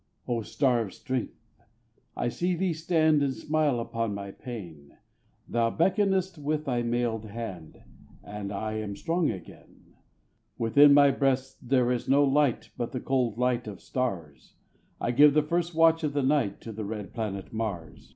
O star of strength! I see thee stand And smile upon my pain; Thou beckonest with thy mailed hand, And I am strong again. Within my breast there is no light, But the cold light of stars; I give the first watch of the night To the red planet Mars.